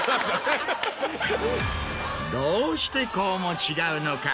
どうしてこうも違うのか？